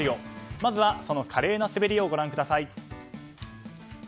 まずはその華麗な滑りをご覧ください。